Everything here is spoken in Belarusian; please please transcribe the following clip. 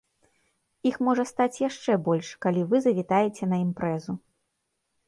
Іх можа стаць яшчэ больш, калі вы завітаеце на імпрэзу.